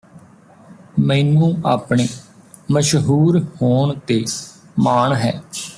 ਮੈਨੂੰ ਆਪਣੇ ਮਸ਼ਹੂਰ ਹੋਣ ਤੇ ਮਾਣ ਹੈ